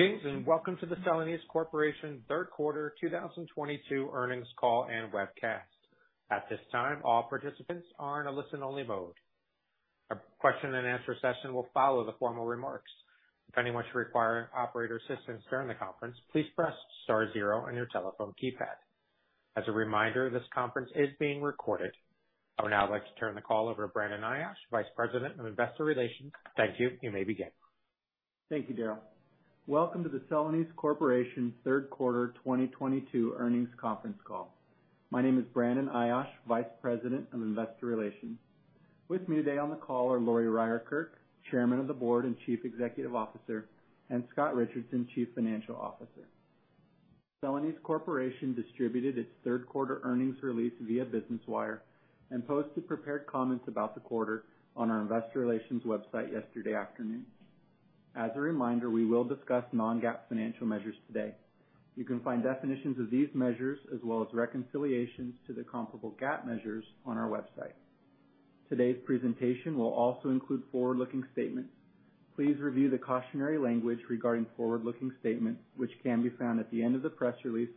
Good evening, and welcome to the Celanese Corporation third quarter 2022 Earnings Call and Webcast. At this time, all participants are in a listen-only mode. A question-and-answer session will follow the formal remarks. If anyone should require operator assistance during the conference, please press star zero on your telephone keypad. As a reminder, this conference is being recorded. I would now like to turn the call over to Brandon Ayache, Vice President of Investor Relations. Thank you. You may begin. Thank you, Darryl. Welcome to the Celanese Corporation third quarter 2022 earnings conference call. My name is Brandon Ayache, Vice President of Investor Relations. With me today on the call are Lori Ryerkerk, Chairman of the Board and Chief Executive Officer, and Scott Richardson, Chief Financial Officer. Celanese Corporation distributed its third quarter earnings release via Business Wire and posted prepared comments about the quarter on our investor relations website yesterday afternoon. As a reminder, we will discuss non-GAAP financial measures today. You can find definitions of these measures, as well as reconciliations to the comparable GAAP measures on our website. Today's presentation will also include forward-looking statements. Please review the cautionary language regarding forward-looking statements, which can be found at the end of the press release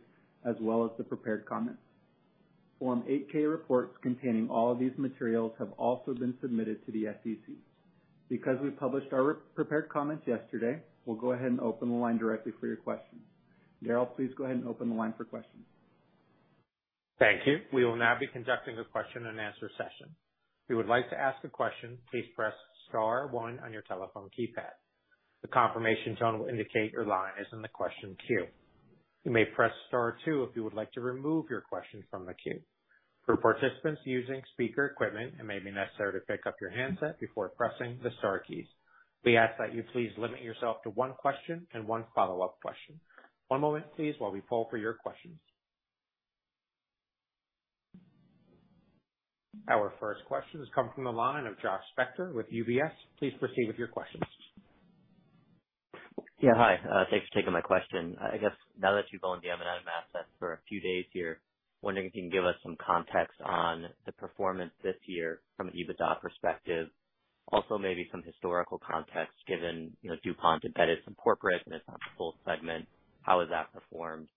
as well as the prepared comments. Form 8-K reports containing all of these materials have also been submitted to the SEC. Because we published our prepared comments yesterday, we'll go ahead and open the line directly for your questions. Darryl, please go ahead and open the line for questions. Thank you. We will now be conducting a question-and-answer session. If you would like to ask a question, please press star one on your telephone keypad. The confirmation tone will indicate your line is in the question queue. You may press star two if you would like to remove your question from the queue. For participants using speaker equipment, it may be necessary to pick up your handset before pressing the star keys. We ask that you please limit yourself to one question and one follow-up question. One moment, please, while we poll for your questions. Our first question has come from the line of Joshua Spector with UBS. Please proceed with your questions. Yeah. Hi. Thanks for taking my question. I guess now that you've owned the M&M asset for a few days here, wondering if you can give us some context on the performance this year from an EBITDA perspective. Also, maybe some historical context given, you know, DuPont embedded some corporate and it's not the full segment, how has that performed?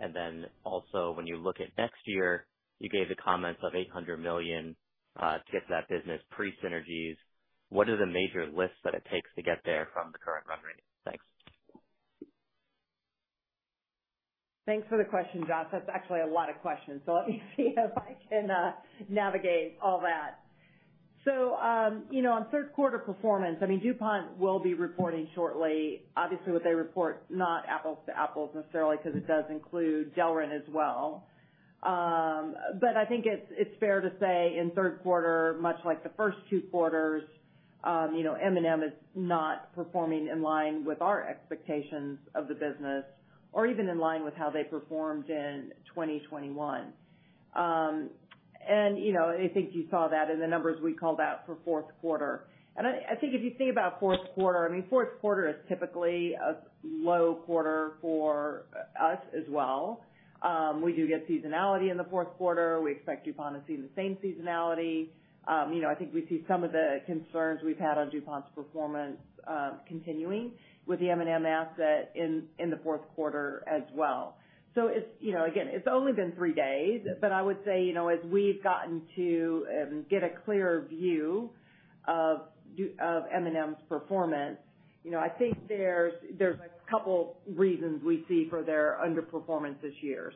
And then also, when you look at next year, you gave the comments of $800 million to get to that business pre-synergies. What are the major lifts that it takes to get there from the current run rate? Thanks. Thanks for the question, Josh. That's actually a lot of questions, so let me see if I can navigate all that. You know, on third quarter performance, I mean, DuPont will be reporting shortly, obviously, what they report, not apples to apples necessarily, because it does include Delrin as well. But I think it's fair to say in third quarter, much like the first two quarters, you know, M&M is not performing in line with our expectations of the business or even in line with how they performed in 2021. You know, I think you saw that in the numbers we called out for fourth quarter. I think if you think about fourth quarter, I mean, fourth quarter is typically a low quarter for us as well. We do get seasonality in the fourth quarter. We expect DuPont to see the same seasonality. You know, I think we see some of the concerns we've had on DuPont's performance continuing with the M&M asset in the fourth quarter as well. It's, you know, again, it's only been three days, but I would say, you know, as we've gotten to get a clearer view of M&M's performance, you know, I think there's a couple reasons we see for their underperformance this year.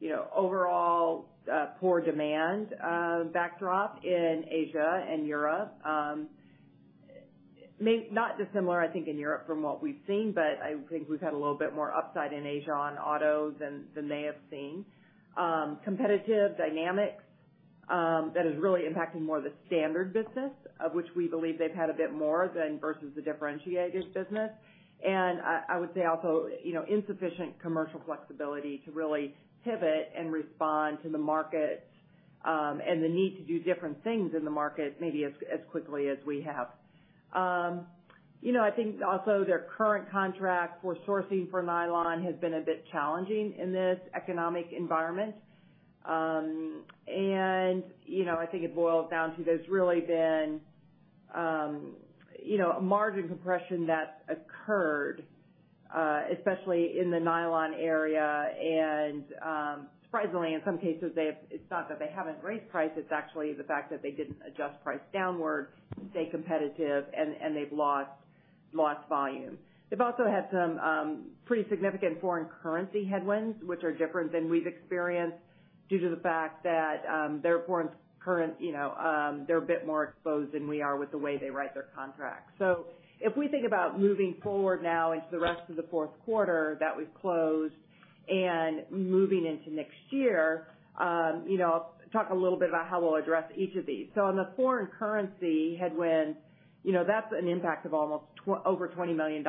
You know, overall poor demand backdrop in Asia and Europe not dissimilar, I think, in Europe from what we've seen, but I think we've had a little bit more upside in Asia on auto than they have seen. Competitive dynamics that is really impacting more the standard business, of which we believe they've had a bit more than versus the differentiated business. I would say also, you know, insufficient commercial flexibility to really pivot and respond to the market, and the need to do different things in the market maybe as quickly as we have. You know, I think also their current contract for sourcing for nylon has been a bit challenging in this economic environment. You know, I think it boils down to there's really been, you know, a margin compression that's occurred, especially in the nylon area. Surprisingly, in some cases it's not that they haven't raised price, it's actually the fact that they didn't adjust price downward to stay competitive and they've lost volume. They've also had some pretty significant foreign currency headwinds, which are different than we've experienced due to the fact that you know, they're a bit more exposed than we are with the way they write their contracts. If we think about moving forward now into the rest of the fourth quarter that we've closed and moving into next year, you know, I'll talk a little bit about how we'll address each of these. On the foreign currency headwind, you know, that's an impact of over $20 million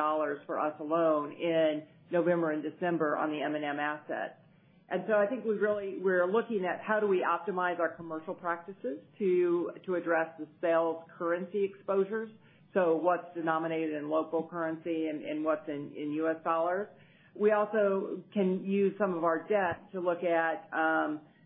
for us alone in November and December on the M&M asset. I think we really, we're looking at how do we optimize our commercial practices to address the sales currency exposures, so what's denominated in local currency and what's in U.S. dollars. We also can use some of our debt to look at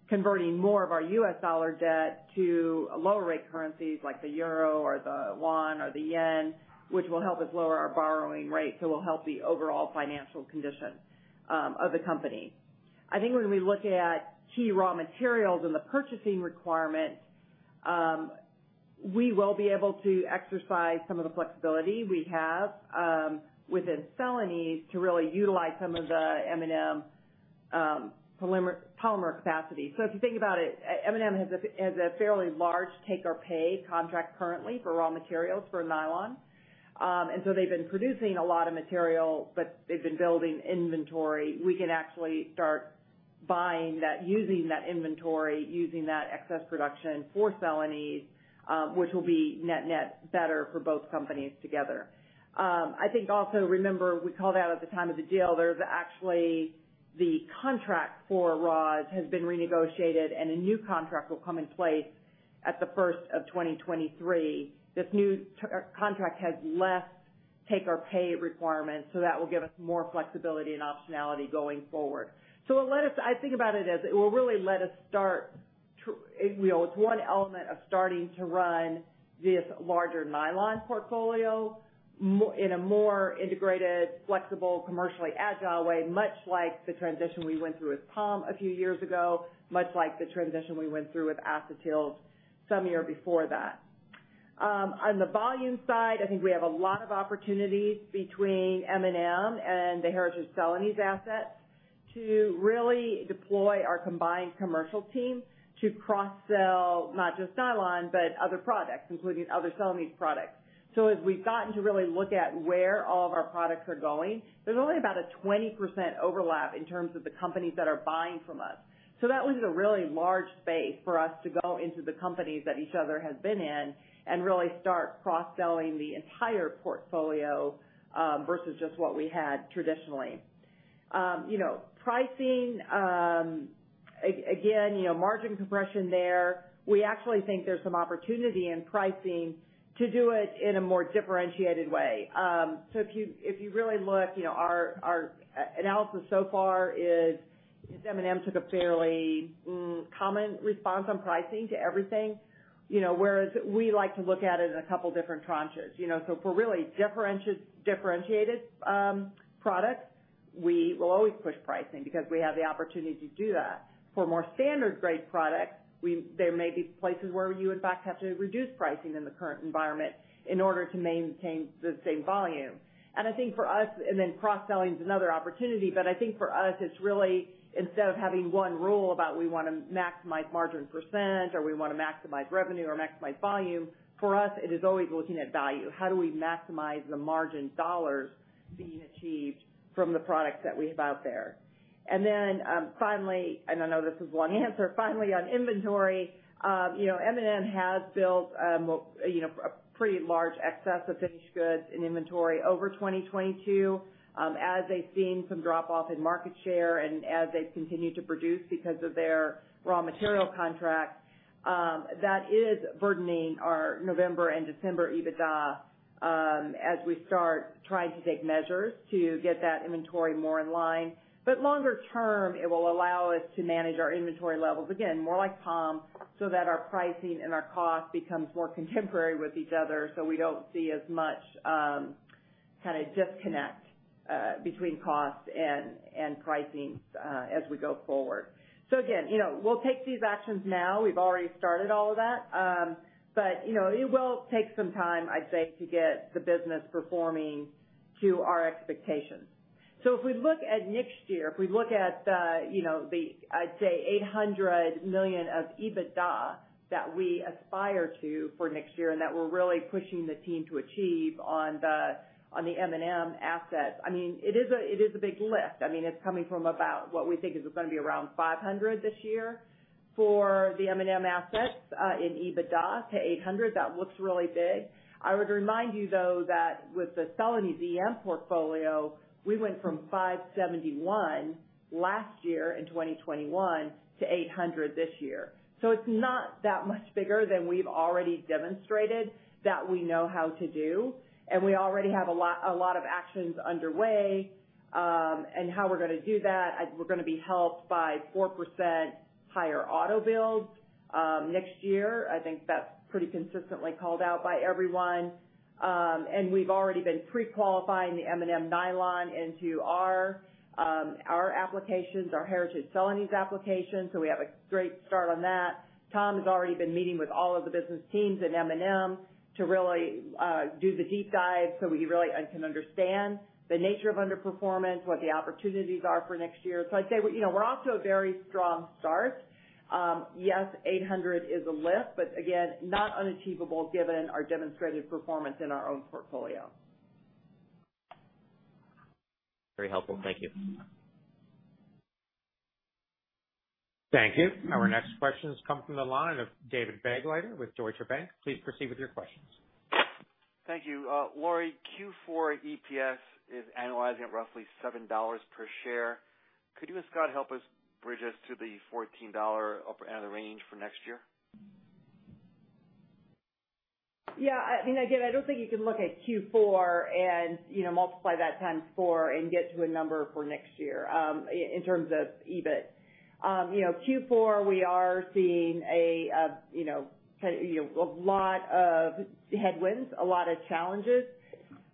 converting more of our U.S. dollar debt to lower rate currencies like the euro or the won or the yen, which will help us lower our borrowing rate, so will help the overall financial condition of the company. I think when we look at key raw materials and the purchasing requirement, we will be able to exercise some of the flexibility we have within Celanese to really utilize some of the M&M polymer capacity. If you think about it, M&M has a fairly large take or pay contract currently for raw materials for nylon. They've been producing a lot of material, but they've been building inventory. We can actually start buying that, using that inventory, using that excess production for Celanese, which will be net-net better for both companies together. I think also remember we called out at the time of the deal, there's actually the contract for raws has been renegotiated and a new contract will come in place at the first of 2023. This new term contract has less take or pay requirements, so that will give us more flexibility and optionality going forward. I think about it as it will really let us start, you know, it's one element of starting to run this larger nylon portfolio in a more integrated, flexible, commercially agile way, much like the transition we went through with POM a few years ago, much like the transition we went through with acetyl some year before that. On the volume side, I think we have a lot of opportunities between M&M and the Heritage Celanese assets to really deploy our combined commercial team to cross-sell, not just nylon, but other products, including other Celanese products. As we've gotten to really look at where all of our products are going, there's only about a 20% overlap in terms of the companies that are buying from us. That leaves a really large space for us to go into the companies that each other has been in and really start cross-selling the entire portfolio, versus just what we had traditionally. You know, pricing, again, you know, margin compression there, we actually think there's some opportunity in pricing to do it in a more differentiated way. If you really look, you know, our analysis so far is M&M took a fairly common response on pricing to everything, you know, whereas we like to look at it in a couple different tranches. You know, for really differentiated products, we will always push pricing because we have the opportunity to do that. For more standard grade products, there may be places where you in fact have to reduce pricing in the current environment in order to maintain the same volume. I think for us, cross-selling is another opportunity, but I think for us, it's really instead of having one rule about we wanna maximize margin percent, or we wanna maximize revenue or maximize volume, for us, it is always looking at value. How do we maximize the margin dollars being achieved from the products that we have out there? Finally on inventory, you know, M&M has built, you know, a pretty large excess of finished goods in inventory over 2022, as they've seen some drop-off in market share and as they've continued to produce because of their raw material contract. That is burdening our November and December EBITDA as we start trying to take measures to get that inventory more in line. Longer term, it will allow us to manage our inventory levels, again, more like POM, so that our pricing and our cost becomes more contemporary with each other, so we don't see as much kind of disconnect between cost and pricing as we go forward. Again, you know, we'll take these actions now. We've already started all of that. You know, it will take some time, I'd say, to get the business performing to our expectations. If we look at next year, I'd say $800 million of EBITDA that we aspire to for next year and that we're really pushing the team to achieve on the M&M assets, I mean, it is a big lift. I mean, it's coming from about what we think is gonna be around $500 this year for the M&M assets in EBITDA to $800. That looks really big. I would remind you though that with the Celanese EM portfolio, we went from $571 million last year in 2021 to $800 million this year. It's not that much bigger than we've already demonstrated that we know how to do, and we already have a lot of actions underway in how we're gonna do that. We're gonna be helped by 4% higher auto builds next year. I think that's pretty consistently called out by everyone. We've already been pre-qualifying the M&M nylon into our applications, our Heritage Celanese applications, so we have a great start on that. Tom has already been meeting with all of the business teams at M&M to really do the deep dive so we really can understand the nature of underperformance, what the opportunities are for next year. I'd say, you know, we're off to a very strong start. Yes, $800 is a lift, but again, not unachievable given our demonstrated performance in our own portfolio. Very helpful. Thank you. Thank you. Our next question has come from the line of David Begleiter with Deutsche Bank. Please proceed with your questions. Thank you. Lori, Q4 EPS is landing at roughly $7 per share. Could you and Scott help us bridge us to the $14 upper end of the range for next year? Yeah, you know, again, I don't think you can look at Q4 and, you know, multiply that times four and get to a number for next year, in terms of EBIT. You know, Q4, we are seeing, you know, a lot of headwinds, a lot of challenges,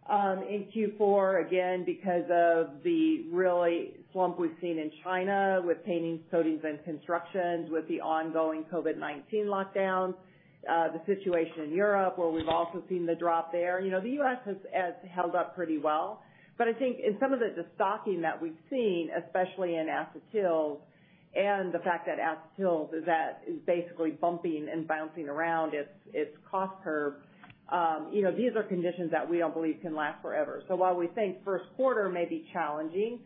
in Q4, again, because of the real slump we've seen in China with paints, coatings, and construction, with the ongoing COVID-19 lockdowns, the situation in Europe where we've also seen the drop there. You know, the U.S. has held up pretty well, but I think in some of the destocking that we've seen, especially in acetyl and the fact that acetyl is basically bumping and bouncing around its cost curve, you know, these are conditions that we don't believe can last forever. While we think first quarter may be challenging,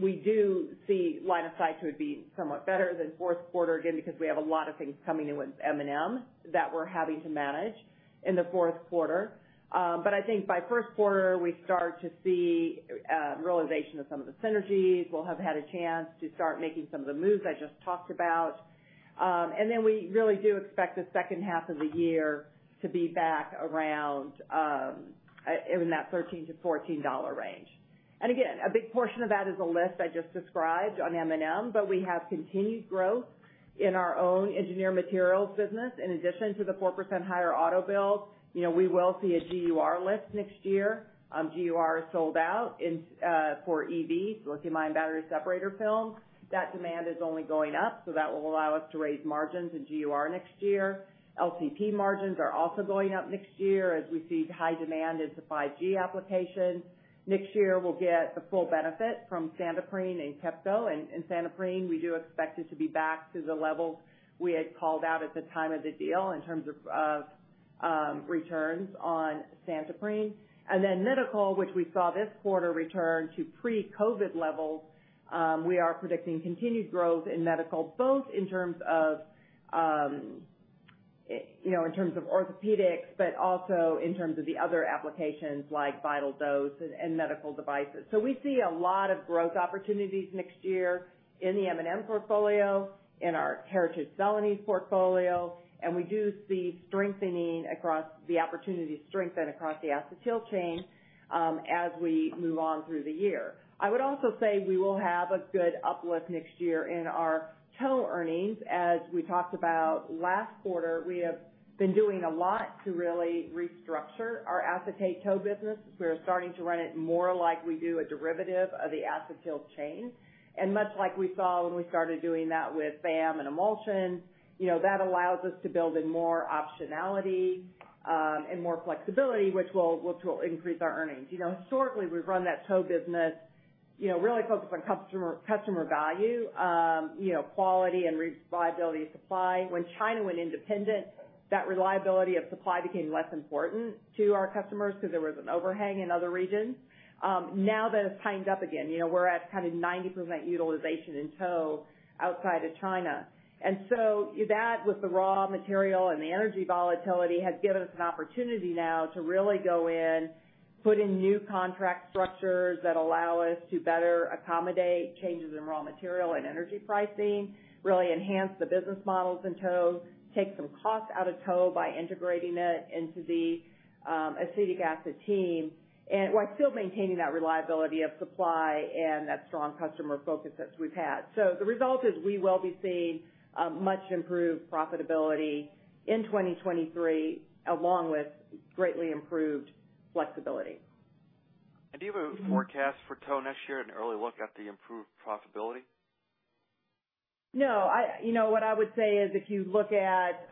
we do see line of sight to it being somewhat better than fourth quarter, again, because we have a lot of things coming in with M&M that we're having to manage in the fourth quarter. I think by first quarter, we start to see realization of some of the synergies. We'll have had a chance to start making some of the moves I just talked about. We really do expect the second half of the year to be back around in that $13 to $14 range. Again, a big portion of that is the list I just described on M&M, but we have continued growth in our own engineered materials business. In addition to the 4% higher auto builds, you know, we will see a GUR lift next year. GUR is sold out for EV lithium-ion battery separator films. That demand is only going up, so that will allow us to raise margins in GUR next year. LCP margins are also going up next year as we see high demand into 5G applications. Next year, we'll get the full benefit from Santoprene and KEP Co. In Santoprene, we do expect it to be back to the levels we had called out at the time of the deal in terms of returns on Santoprene. Medical, which we saw this quarter return to pre-COVID levels, we are predicting continued growth in medical, both in terms of, you know, in terms of orthopedics, but also in terms of the other applications like VitalDose and medical devices. We see a lot of growth opportunities next year in the M&M portfolio, in our Heritage Celanese portfolio, and we do see strengthening across the acetyl chain as we move on through the year. I would also say we will have a good uplift next year in our tow earnings. As we talked about last quarter, we have been doing a lot to really restructure our acetate tow business. We are starting to run it more like we do a derivative of the acetyl chain. And much like we saw when we started doing that with VAM and emulsions, you know, that allows us to build in more optionality and more flexibility, which will increase our earnings. You know, historically, we've run that tow business, you know, really focused on customer value, quality and reliability of supply. When China went independent, that reliability of supply became less important to our customers because there was an overhang in other regions. Now that it's tightened up again, you know, we're at kind of 90% utilization in tow outside of China. That with the raw material and the energy volatility has given us an opportunity now to really go in, put in new contract structures that allow us to better accommodate changes in raw material and energy pricing, really enhance the business models in tow, take some cost out of tow by integrating it into the acetic acid team, and while still maintaining that reliability of supply and that strong customer focus that we've had. The result is we will be seeing much improved profitability in 2023, along with greatly improved flexibility. Do you have a forecast for tow next year, an early look at the improved profitability? No. I, you know, what I would say is if you look at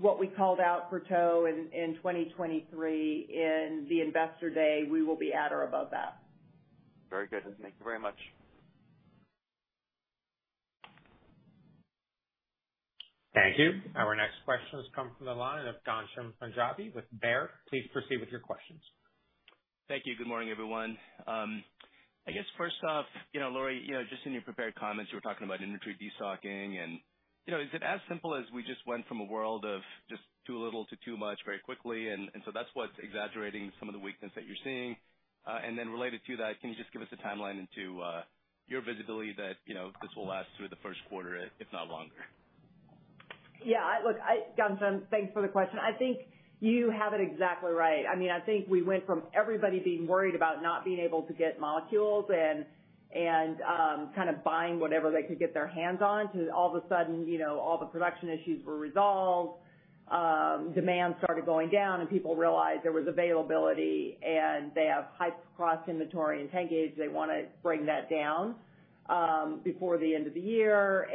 what we called out for tow in 2023 in the Investor Day, we will be at or above that. Very good. Thank you very much. Thank you. Our next question has come from the line of Ghansham Panjabi with Baird. Please proceed with your questions. Thank you. Good morning, everyone. I guess first off, you know, Lori, you know, just in your prepared comments, you were talking about inventory destocking and, you know, is it as simple as we just went from a world of just too little to too much very quickly, and so that's what's exaggerating some of the weakness that you're seeing? And then related to that, can you just give us a timeline into your visibility that, you know, this will last through the first quarter, if not longer? Yeah, look, Ghansham, thanks for the question. I think you have it exactly right. I mean, I think we went from everybody being worried about not being able to get molecules and kind of buying whatever they could get their hands on to all of a sudden, you know, all the production issues were resolved, demand started going down, and people realized there was availability, and they have high-cost inventory in tankage. They wanna bring that down before the end of the year.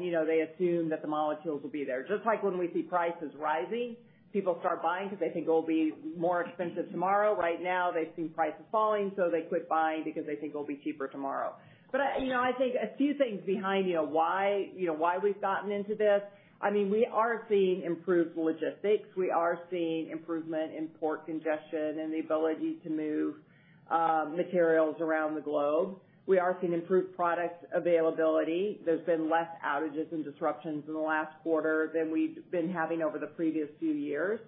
You know, they assume that the molecules will be there. Just like when we see prices rising, people start buying because they think it'll be more expensive tomorrow. Right now, they see prices falling, so they quit buying because they think it'll be cheaper tomorrow. I think a few things behind why we've gotten into this, I mean, we are seeing improved logistics. We are seeing improvement in port congestion and the ability to move materials around the globe. We are seeing improved product availability. There's been less outages and disruptions in the last quarter than we've been having over the previous few years.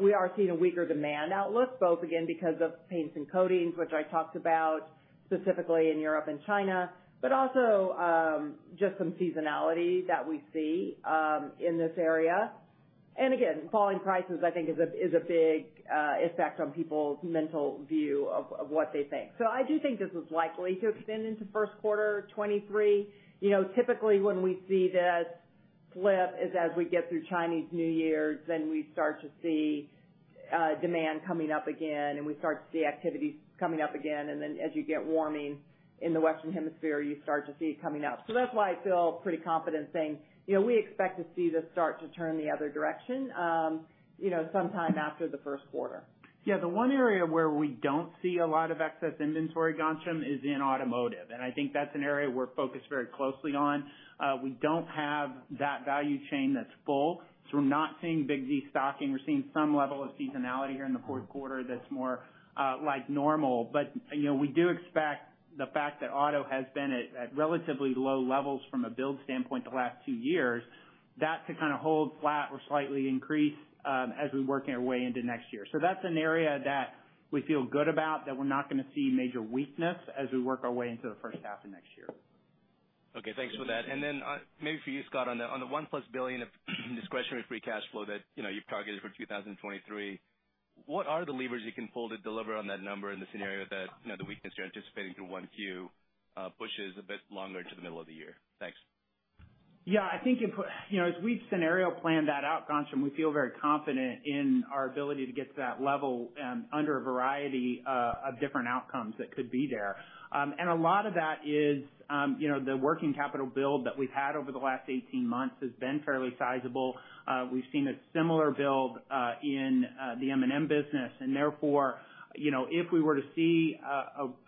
We are seeing a weaker demand outlook, both again, because of paints and coatings, which I talked about specifically in Europe and China, but also, just some seasonality that we see in this area. Again, falling prices I think is a big effect on people's mental view of what they think. So I do think this is likely to extend into first quarter 2023. You know, typically, when we see this slip is as we get through Chinese New Year, then we start to see demand coming up again, and we start to see activity coming up again, and then as you get warming in the Western Hemisphere, you start to see it coming out. That's why I feel pretty confident saying, you know, we expect to see this start to turn the other direction, you know, sometime after the first quarter. Yeah, the one area where we don't see a lot of excess inventory, Ghansham, is in automotive. I think that's an area we're focused very closely on. We don't have that value chain that's full, so we're not seeing big destocking. We're seeing some level of seasonality here in the fourth quarter that's more like normal. You know, we do expect the fact that auto has been at relatively low levels from a build standpoint the last two years, that to kinda hold flat or slightly increase as we work our way into next year. That's an area that we feel good about, that we're not gonna see major weakness as we work our way into the first half of next year. Okay. Thanks for that. Maybe for you, Scott, on the $1+ billion of discretionary free cash flow that, you know, you've targeted for 2023, what are the levers you can pull to deliver on that number in the scenario that, you know, the weakness you're anticipating through 1Q pushes a bit longer to the middle of the year? Thanks. Yeah. I think if, you know, as we've scenario planned that out, Ghansham, we feel very confident in our ability to get to that level under a variety of different outcomes that could be there. A lot of that is, you know, the working capital build that we've had over the last 18 months has been fairly sizable. We've seen a similar build in the M&M business, and therefore, you know, if we were to see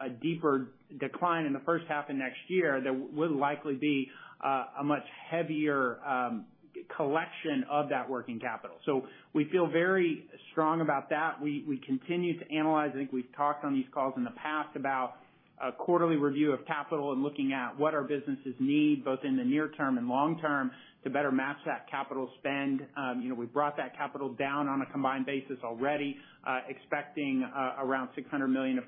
a deeper decline in the first half of next year, there would likely be a much heavier collection of that working capital. We feel very strong about that. We continue to analyze. I think we've talked on these calls in the past about a quarterly review of capital and looking at what our businesses need, both in the near term and long term, to better match that capital spend. You know, we've brought that capital down on a combined basis already, expecting around $600 million of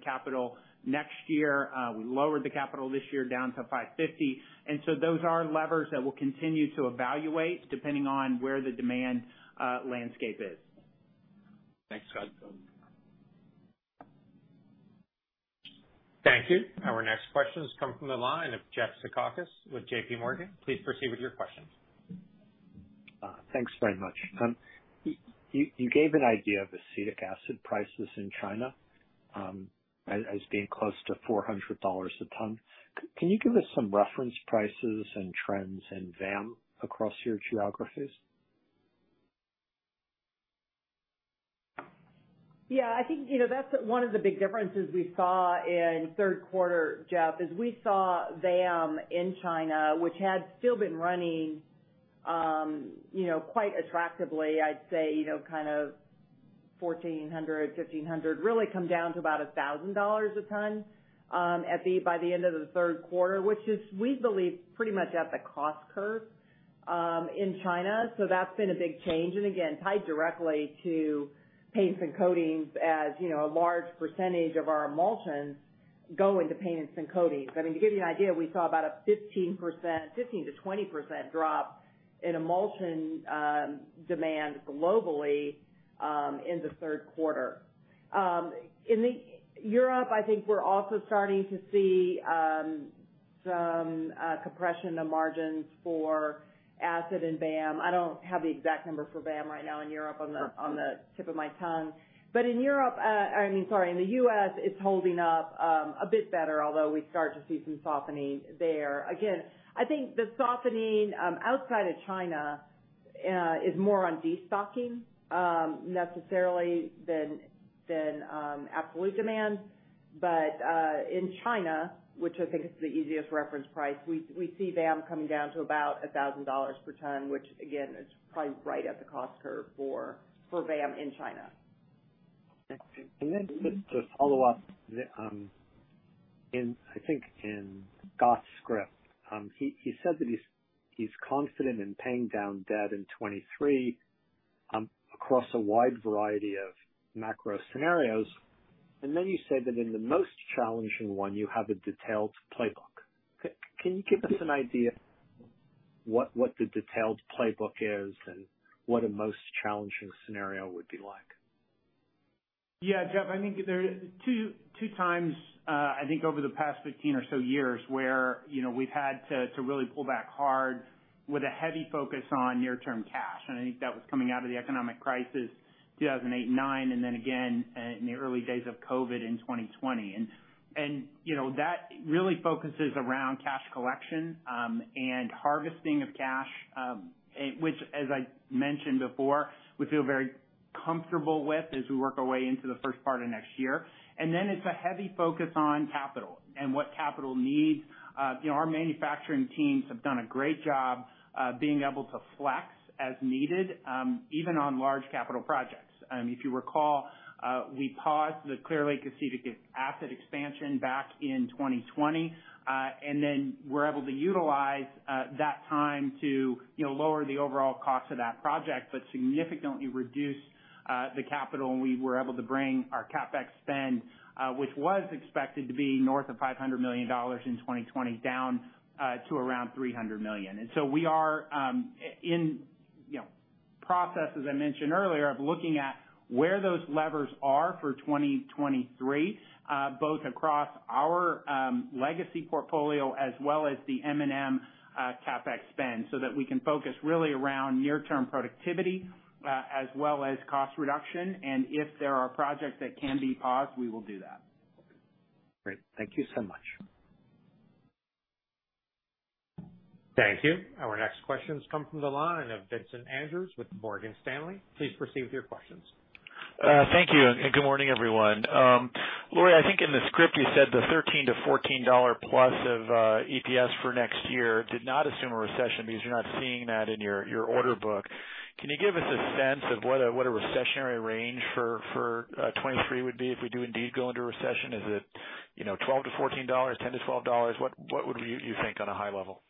capital next year. We lowered the capital this year down to $550 million. Those are levers that we'll continue to evaluate depending on where the demand landscape is. Thanks, Scott. Thank you. Our next question's come from the line of Jeffrey Zekauskas with J.P. Morgan. Please proceed with your question. Thanks very much. You gave an idea of acetic acid prices in China as being close to $400 a ton. Can you give us some reference prices and trends in VAM across your geographies? Yeah. I think, you know, that's one of the big differences we saw in third quarter, Jeff, is we saw VAM in China, which had still been running, you know, quite attractively, I'd say, you know, kind of 1,400, 1,500, really come down to about $1,000 a ton, by the end of the third quarter, which is, we believe, pretty much at the cost curve, in China. That's been a big change, and again, tied directly to paints and coatings as, you know, a large percentage of our emulsions go into paints and coatings. I mean, to give you an idea, we saw about a 15% to 20% drop in emulsion demand globally, in the third quarter. In Europe, I think we're also starting to see some compression of margins for acid and VAM. I don't have the exact number for VAM right now in Europe on the tip of my tongue. In the U.S., it's holding up a bit better, although we start to see some softening there. Again, I think the softening outside of China is more on destocking necessarily than absolute demand. In China, which I think is the easiest reference price, we see VAM coming down to about $1,000 per ton, which again, is probably right at the cost curve for VAM in China. Just to follow up, in I think in Scott's script, he said that he's confident in paying down debt in 2023, across a wide variety of macro scenarios. You said that in the most challenging one, you have a detailed playbook. Can you give us an idea what the detailed playbook is and what a most challenging scenario would be like? Yeah, Jeff, I think there are 2x, I think over the past 15 or so years where, you know, we've had to really pull back hard with a heavy focus on near-term cash, and I think that was coming out of the economic crisis, 2008 and 2009, and then again in the early days of COVID in 2020. You know, that really focuses around cash collection and harvesting of cash, which as I mentioned before, we feel very comfortable with as we work our way into the first part of next year. Then it's a heavy focus on capital and what capital needs. You know, our manufacturing teams have done a great job being able to flex as needed, even on large capital projects. If you recall, we paused the Clear Lake acetic acid expansion back in 2020, and then were able to utilize that time to, you know, lower the overall cost of that project, but significantly reduce the capital, and we were able to bring our CapEx spend, which was expected to be north of $500 million in 2020, down to around $300 million. We are in, you know, process, as I mentioned earlier, of looking at where those levers are for 2023, both across our legacy portfolio as well as the M&M CapEx spend, so that we can focus really around near-term productivity, as well as cost reduction. If there are projects that can be paused, we will do that. Great. Thank you so much. Thank you. Our next questions come from the line of Vincent Andrews with Morgan Stanley. Please proceed with your questions. Thank you, and good morning, everyone. Lori, I think in the script you said the $13 to $14+ of EPS for next year did not assume a recession because you're not seeing that in your order book. Can you give us a sense of what a recessionary range for 2023 would be if we do indeed go into recession? Is it, you know, $12 to $14, $10 to $12? What would you think on a high level?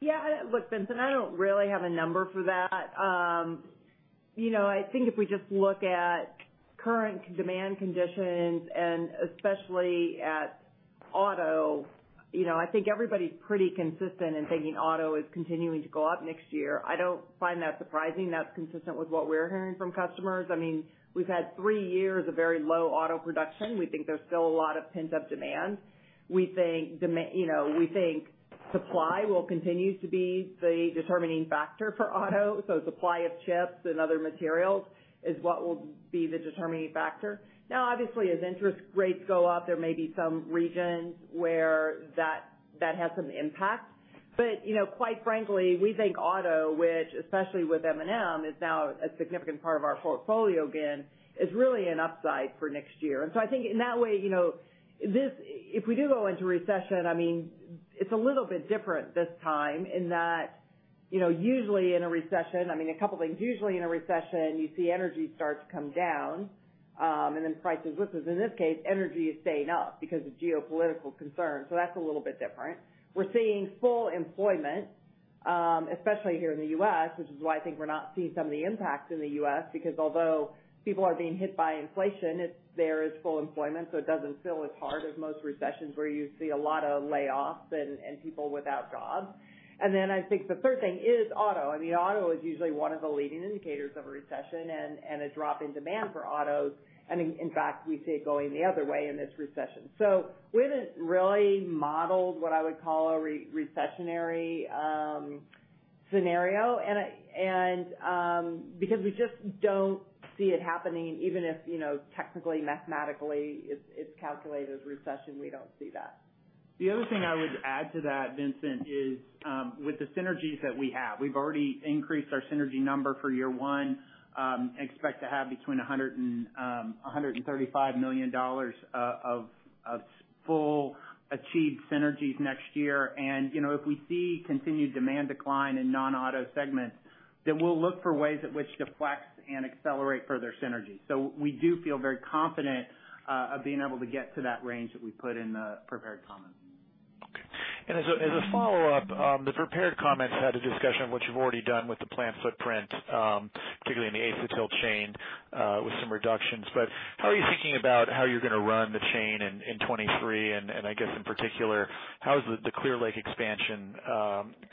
Yeah, look, Vincent, I don't really have a number for that. You know, I think if we just look at current demand conditions, and especially at auto, you know, I think everybody's pretty consistent in thinking auto is continuing to go up next year. I don't find that surprising. That's consistent with what we're hearing from customers. I mean, we've had three years of very low auto production. We think there's still a lot of pent-up demand. We think you know, we think supply will continue to be the determining factor for auto. Supply of chips and other materials is what will be the determining factor. Now, obviously, as interest rates go up, there may be some regions where that has some impact. You know, quite frankly, we think auto, which, especially with M&M, is now a significant part of our portfolio again, is really an upside for next year. I think in that way, you know, this, if we do go into recession, I mean, it's a little bit different this time in that, you know, usually in a recession, I mean, a couple things, you see energy start to come down, and then prices with it. In this case, energy is staying up because of geopolitical concerns, so that's a little bit different. We're seeing full employment, especially here in the US, which is why I think we're not seeing some of the impact in the US, because although people are being hit by inflation, there is full employment, so it doesn't feel as hard as most recessions where you see a lot of layoffs and people without jobs. I think the third thing is auto. I mean, auto is usually one of the leading indicators of a recession and a drop in demand for autos. I mean, in fact, we see it going the other way in this recession. We haven't really modeled what I would call a recessionary scenario and because we just don't see it happening, even if technically, mathematically it's calculated as a recession, we don't see that. The other thing I would add to that, Vincent, is with the synergies that we have. We've already increased our synergy number for year one. Expect to have between $100 million and $135 million of full achieved synergies next year. You know, if we see continued demand decline in non-auto segments, then we'll look for ways at which to flex and accelerate further synergies. We do feel very confident of being able to get to that range that we put in the prepared comments. Okay. As a follow-up, the prepared comments had a discussion of which you've already done with the plant footprint, particularly in the acetyl chain, with some reductions. How are you thinking about how you're gonna run the chain in 2023 and I guess in particular, how is the Clear Lake expansion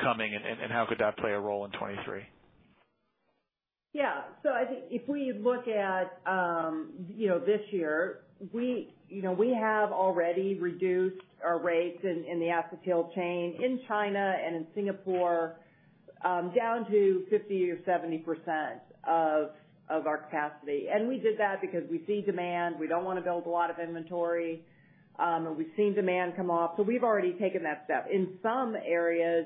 coming and how could that play a role in 2023? Yeah. I think if we look at, you know, this year, we, you know, we have already reduced our rates in the acetyl chain in China and in Singapore, down to 50% or 70% of our capacity. We did that because we see demand. We don't wanna build a lot of inventory. We've seen demand come off. We've already taken that step. In some areas,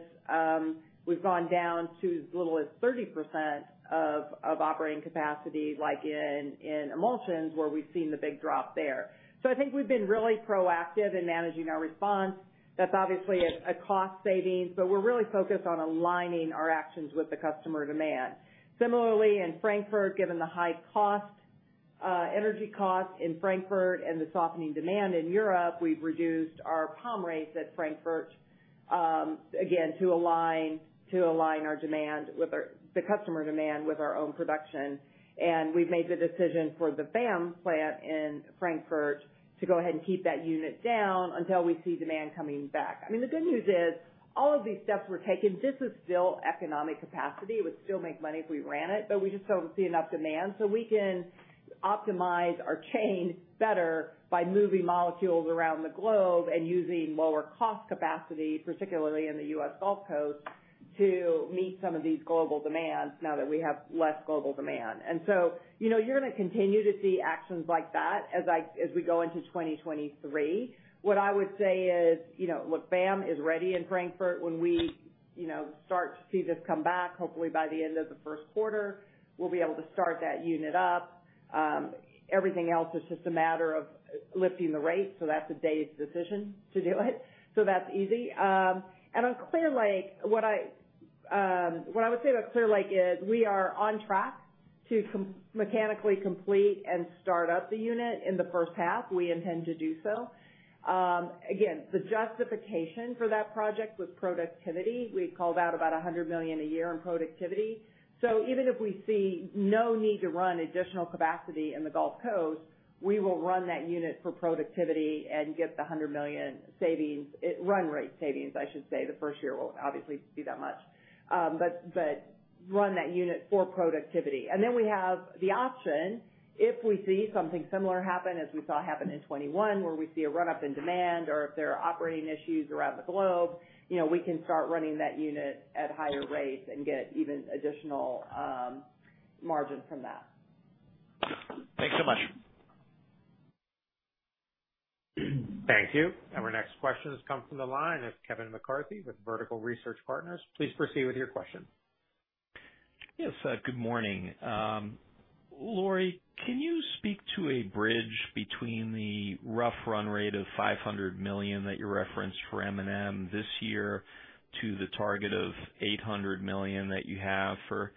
we've gone down to as little as 30% of operating capacity, like in emulsions, where we've seen the big drop there. I think we've been really proactive in managing our response. That's obviously a cost saving, but we're really focused on aligning our actions with the customer demand. Similarly, in Frankfurt, given the high cost, energy cost in Frankfurt and the softening demand in Europe, we've reduced our plant rates at Frankfurt, again, to align the customer demand with our own production. We've made the decision for the VAM plant in Frankfurt to go ahead and keep that unit down until we see demand coming back. I mean, the good news is, all of these steps were taken. This is still economic capacity. It would still make money if we ran it, but we just don't see enough demand. We can optimize our chain better by moving molecules around the globe and using lower cost capacity, particularly in the U.S. Gulf Coast, to meet some of these global demands now that we have less global demand. You know, you're gonna continue to see actions like that as we go into 2023. What I would say is, you know, look, VAM is ready in Frankfurt. When we, you know, start to see this come back, hopefully by the end of the first quarter, we'll be able to start that unit up. Everything else is just a matter of lifting the rates, so that's a day's decision to do it. That's easy. Clear Lake, what I would say about Clear Lake is we are on track to mechanically complete and start up the unit in the first half. We intend to do so. Again, the justification for that project was productivity. We called out about $100 million a year in productivity. Even if we see no need to run additional capacity in the Gulf Coast, we will run that unit for productivity and get the $100 million savings, run rate savings, I should say. The first year won't obviously be that much. But run that unit for productivity. Then we have the option if we see something similar happen as we saw happen in 2021, where we see a run-up in demand or if there are operating issues around the globe, you know, we can start running that unit at higher rates and get even additional margin from that. Thanks so much. Thank you. Our next question has come from the line of Kevin McCarthy with Vertical Research Partners. Please proceed with your question. Yes, good morning. Lori, can you speak to a bridge between the rough run rate of $500 million that you referenced for M&M this year to the target of $800 million that you have for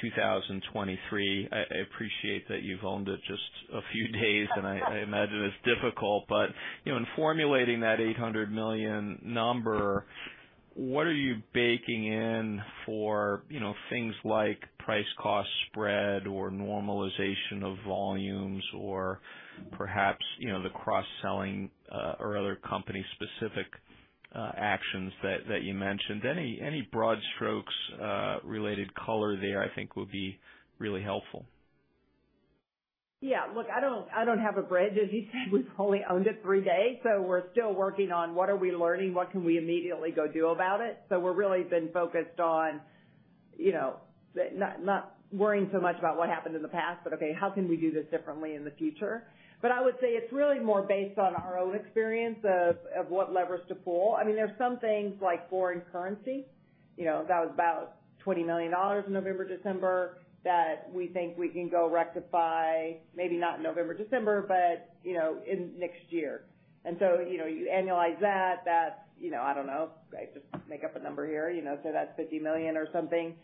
2023? I appreciate that you've owned it just a few days, and I imagine it's difficult, but, you know, in formulating that $800 million number, what are you baking in for, you know, things like price cost spread or normalization of volumes or perhaps, you know, the cross-selling or other company specific actions that you mentioned? Any broad strokes related color there I think would be really helpful. Yeah. Look, I don't have a bridge. As you said, we've only owned it three days, so we're still working on what are we learning, what can we immediately go do about it. We're really been focused on, you know, the not worrying so much about what happened in the past, but okay, how can we do this differently in the future. I would say it's really more based on our own experience of what levers to pull. I mean, there's some things like foreign currency, you know, that was about $20 million in November, December that we think we can go rectify, maybe not November, December, but you know, in next year. You annualize that's, you know, I don't know, I just make up a number here, you know, say that's $50 million or something.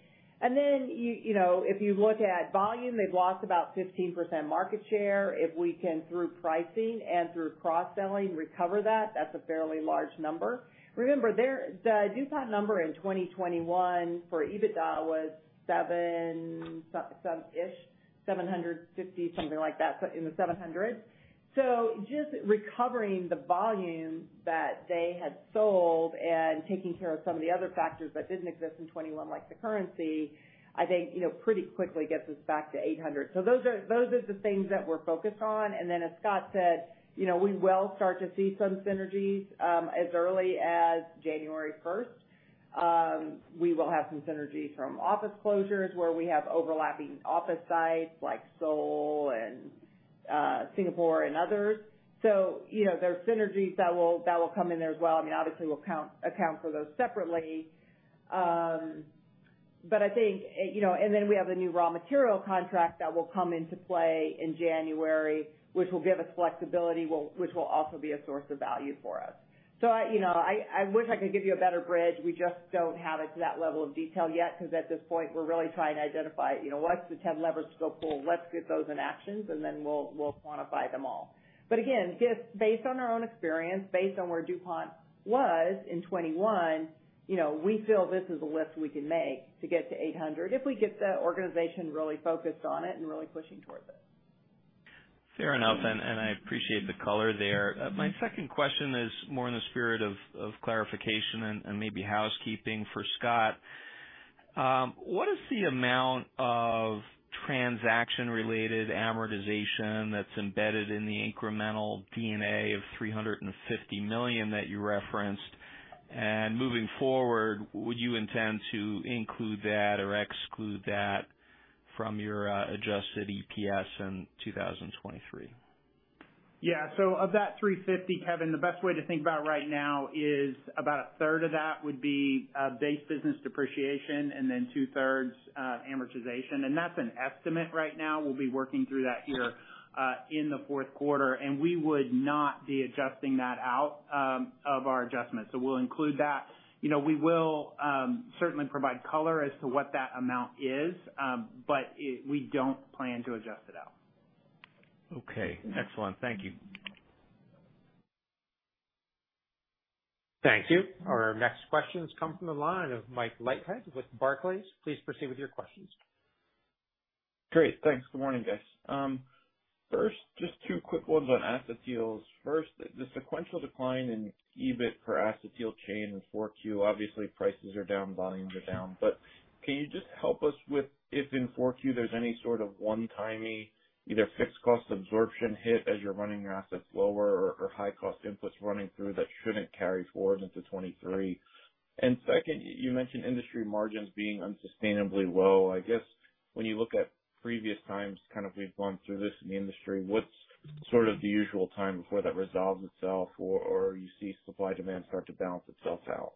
You know, if you look at volume, they've lost about 15% market share. If we can through pricing and through cross-selling recover that's a fairly large number. Remember the DuPont number in 2021 for EBITDA was $750 something like that, so in the $700. Just recovering the volume that they had sold and taking care of some of the other factors that didn't exist in 2021, like the currency, I think you know pretty quickly gets us back to $800. Those are the things that we're focused on. As Scott said, you know, we will start to see some synergies as early as January first. We will have some synergies from office closures where we have overlapping office sites like Seoul and Singapore and others. You know, there are synergies that will come in there as well. I mean, obviously we'll account for those separately. I think, you know, and then we have the new raw material contract that will come into play in January, which will give us flexibility, which will also be a source of value for us. I, you know, wish I could give you a better bridge. We just don't have it to that level of detail yet, because at this point we're really trying to identify, you know, what's the 10 levers to go pull, let's get those into action and then we'll quantify them all. Again, just based on our own experience, based on where DuPont was in 2021, you know, we feel this is a list we can make to get to 800 if we get the organization really focused on it and really pushing towards it. Fair enough, and I appreciate the color there. My second question is more in the spirit of clarification and maybe housekeeping for Scott. What is the amount of transaction related amortization that's embedded in the incremental D&A of $350 million that you referenced? Moving forward, would you intend to include that or exclude that from your adjusted EPS in 2023? Yeah. Of that $350, Kevin, the best way to think about right now is about a third of that would be base business depreciation and then two thirds amortization. That's an estimate right now. We'll be working through that here in the fourth quarter, and we would not be adjusting that out of our adjustments. We'll include that. You know, we will certainly provide color as to what that amount is, but we don't plan to adjust it out. Okay. Excellent. Thank you. Thank you. Our next question has come from the line of Mike Leithead with Barclays. Please proceed with your questions. Great. Thanks. Good morning, guys. First just two quick ones on acetyls. First, the sequential decline in EBIT for acetyl chain in 4Q, obviously prices are down, volumes are down, but can you just help us with if in 4Q there's any sort of one-timey, either fixed cost absorption hit as you're running your assets lower or high cost inputs running through that shouldn't carry forward into 2023. Second, you mentioned industry margins being unsustainably low. I guess when you look at previous times, kind of we've gone through this in the industry, what's sort of the usual time before that resolves itself or you see supply demand start to balance itself out?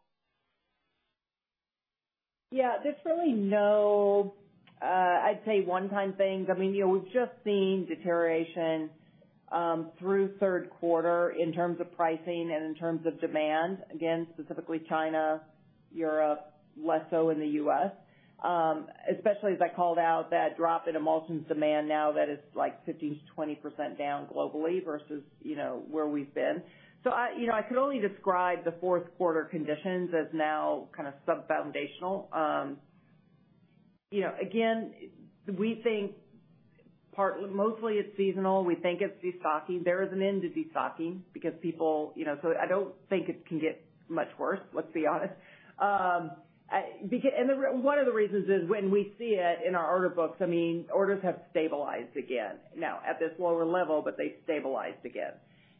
Yeah, there's really no, I'd say one-time things. I mean, you know, we've just seen deterioration through third quarter in terms of pricing and in terms of demand, again, specifically China, Europe, less so in the U.S. Especially as I called out that drop in emulsions demand now that is like 15% to 20% down globally versus, you know, where we've been. I, you know, I could only describe the fourth quarter conditions as now kind of sub-foundational. You know, again, we think mostly it's seasonal. We think it's destocking. There is an end to destocking because people, you know, so I don't think it can get much worse, let's be honest. One of the reasons is when we see it in our order books, I mean, orders have stabilized again, now at this lower level, but they've stabilized again.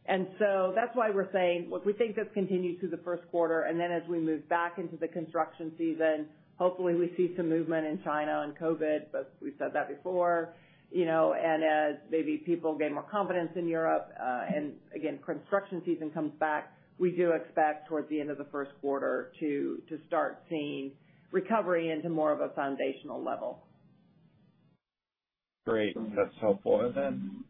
That's why we're saying, look, we think this continues through the first quarter, and then as we move back into the construction season, hopefully we see some movement in China on COVID, but we've said that before. You know, and as maybe people gain more confidence in Europe, and again, construction season comes back, we do expect towards the end of the first quarter to start seeing recovery into more of a foundational level. Great. That's helpful. Then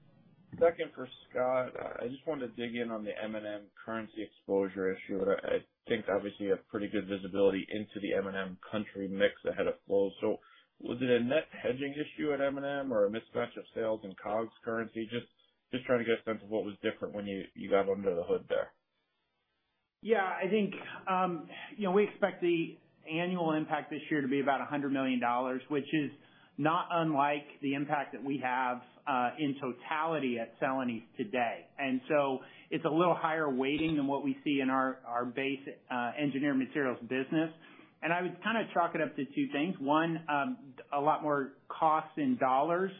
second for Scott, I just wanted to dig in on the M&M currency exposure issue. I think obviously you have pretty good visibility into the M&M country mix ahead of flow. So was it a net hedging issue at M&M or a mismatch of sales and COGS currency? Just trying to get a sense of what was different when you got under the hood there. Yeah, I think, you know, we expect the annual impact this year to be about $100 million, which is not unlike the impact that we have in totality at Celanese today. It's a little higher weighting than what we see in our base engineering materials business. I would kind of chalk it up to two things. One, a lot more cost in dollars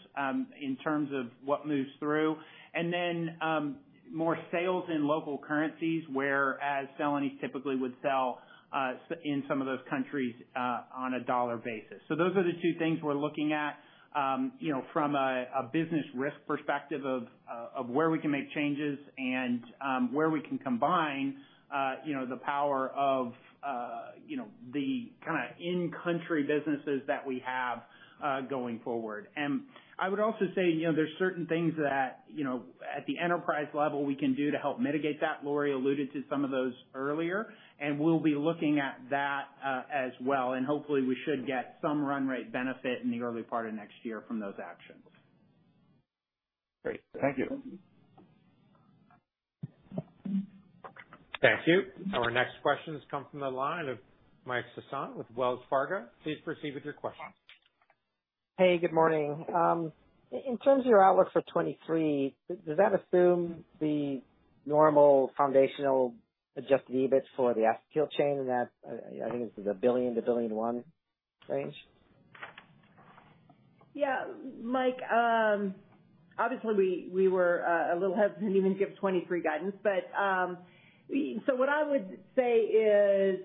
in terms of what moves through. More sales in local currencies whereas Celanese typically would sell in some of those countries on a dollar basis. Those are the two things we're looking at, you know, from a business risk perspective of where we can make changes and where we can combine, you know, the power of, you know, the kind of in-country businesses that we have, going forward. I would also say, you know, there's certain things that, you know, at the enterprise level we can do to help mitigate that. Lori alluded to some of those earlier. We'll be looking at that, as well, and hopefully we should get some run rate benefit in the early part of next year from those actions. Great. Thank you. Thank you. Our next question has come from the line of Michael Sison with Wells Fargo. Please proceed with your question. Hey, good morning. In terms of your outlook for 2023, does that assume the normal foundational adjusted EBIT for the acetyl chain, and that, I think it's the $1 billion to $1.1 billion range? Yeah, Mike, obviously we were a little hesitant to even give 2023 guidance, but what I would say is,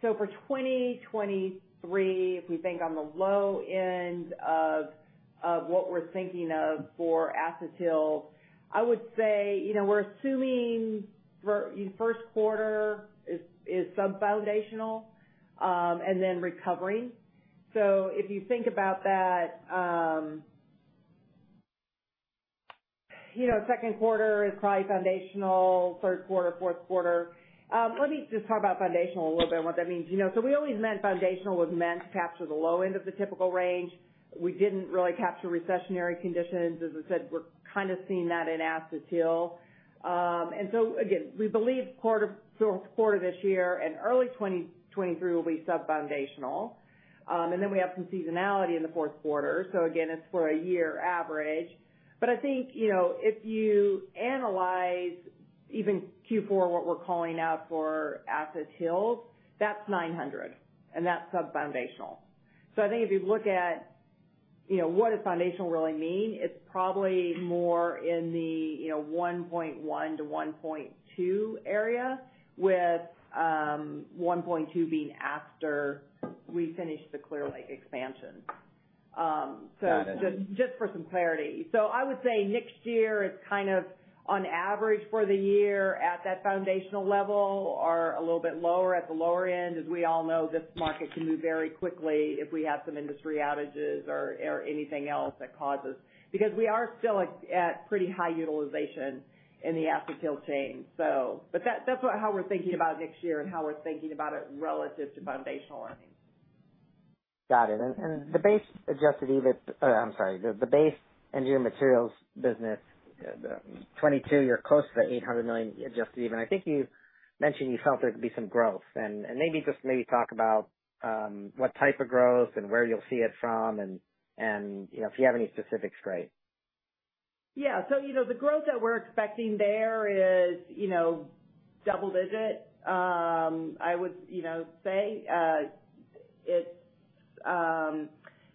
for 2023, if we think on the low end of what we're thinking of for Acetyl, I would say, you know, we're assuming first quarter is sub-foundational, and then recovery. If you think about that, you know, second quarter is probably foundational, third quarter, fourth quarter. Let me just talk about foundational a little bit and what that means. You know, we always meant foundational was meant to capture the low end of the typical range. We didn't really capture recessionary conditions. As I said, we're kind of seeing that in Acetyl. We believe quarter this year and early 2023 will be sub-foundational. We have some seasonality in the fourth quarter. Again, it's for a year average. I think, you know, if you analyze even Q4, what we're calling out for Acetyl, that's $900, and that's sub-foundational. I think if you look at, you know, what does foundational really mean, it's probably more in the, you know, $1.1 to $1.2 area with, $1.2 being after we finish the Clear Lake expansion. Got it. Just for some clarity. I would say next year is kind of on average for the year at that foundational level or a little bit lower at the lower end. As we all know, this market can move very quickly if we have some industry outages or anything else that causes. Because we are still at pretty high utilization in the acetyl chain. That's what, how we're thinking about next year and how we're thinking about it relative to foundational earnings. Got it. The base Engineered Materials business in 2022, you're close to the $800 million adjusted EBIT. I think you mentioned you felt there could be some growth. Maybe just maybe talk about what type of growth and where you'll see it from and you know if you have any specifics, great. Yeah. You know, the growth that we're expecting there is, you know, double-digit, I would, you know, say.